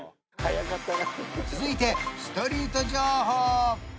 続いてストリート情報！